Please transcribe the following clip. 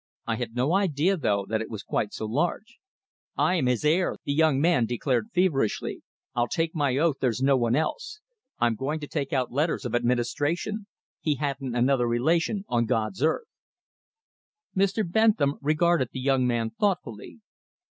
I had no idea, though, that it was quite so large." "I am his heir," the young man declared feverishly. "I'll take my oath there's no one else. I'm going to take out letters of administration. He hadn't another relation on God's earth." Mr. Bentham regarded the young man thoughtfully.